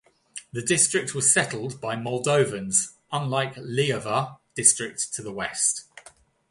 The district was settled by Moldovans, unlike Leova District to the west.